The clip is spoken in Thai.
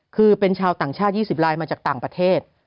คือเป็นชาวต่างชาติ๒๐ลายมาจากต่างประเทศ